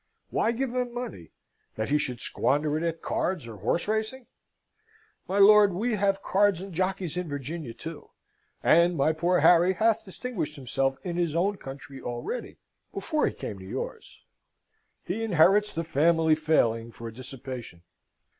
Why give him money? That he should squander it at cards or horse racing? My lord, we have cards and jockeys in Virginia, too; and my poor Harry hath distinguished himself in his own country already, before he came to yours. He inherits the family failing for dissipation."